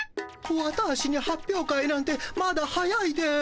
ワターシに発表会なんてまだ早いです。